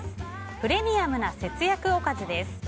プレミアムな節約おかずです。